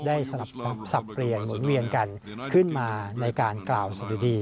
สลับสับเปลี่ยนหมุนเวียนกันขึ้นมาในการกล่าวสะดุดี